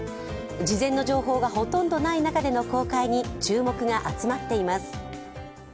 事前の情報がほとんどない中での公開に注目が集まっています。